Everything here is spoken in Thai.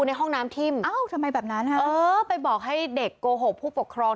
ในห้องน้ำทิ่มเอ้าทำไมแบบนั้นฮะเออไปบอกให้เด็กโกหกผู้ปกครอง